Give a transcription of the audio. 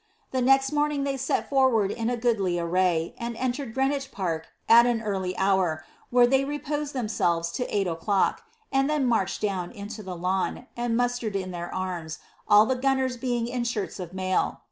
The next morning they set forward in goodly array, and entered Greenwich Puk at an early hour, where they reposed themselvea till Oght o'clock, and then matched down into the lawn, and musiared in their arms, all the gunners being in shirts of mail.